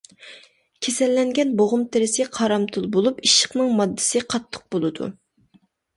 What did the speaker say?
كېسەللەنگەن بوغۇم تېرىسى قارامتۇل بولۇپ، ئىششىقنىڭ ماددىسى قاتتىق بولىدۇ.